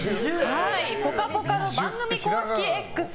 「ぽかぽか」の番組公式Ｘ